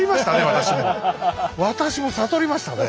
私も悟りましたね。